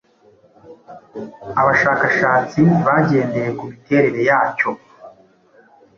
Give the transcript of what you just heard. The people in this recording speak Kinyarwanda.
abashakashatsi bagendeye ku miterere yacyo